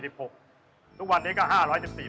ทุกวันนี้ก็๕๑๔บาท